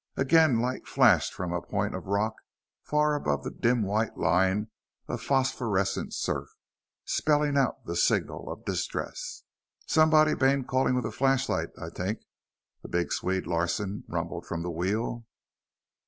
Again light flashed from a point of rock far above the dim white line of phosphorescent surf, spelling out the signal of distress. "Somebody bane callin' with a flashlight, I t'ank," the big Swede, Larsen, rumbled from the wheel.